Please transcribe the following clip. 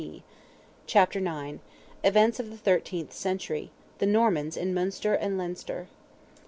CHAPTER IX. EVENTS OF THE THIRTEENTH CENTURY—THE NORMANS IN MUNSTER AND LEINSTER.